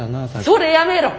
それやめろ。